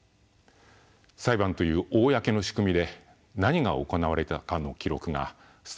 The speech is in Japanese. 裁判という公の仕組みで何が行われたかの記録が捨てられてしまった。